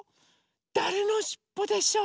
だれのしっぽでしょう？